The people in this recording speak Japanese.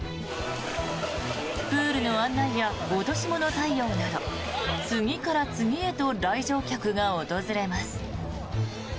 プールの案内や落とし物対応など次から次へと来場客が訪れます。